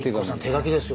手書きですよ。